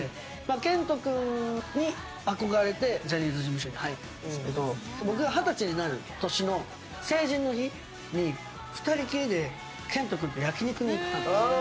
健人君に憧れてジャニーズ事務所に入ったんですけれど僕が二十歳になる年の成人の日に２人きりで健人君と焼き肉に行ったんですよ。